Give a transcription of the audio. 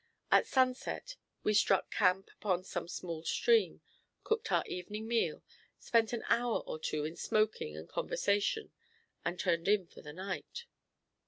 At sunset we struck camp upon some small stream, cooked our evening meal, spent an hour or two in smoking and conversation, and turned in for the night.